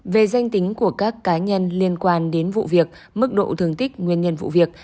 về danh tính của các cá nhân liên quan đến vụ việc mức độ thường tích nguyên nhân vụ việc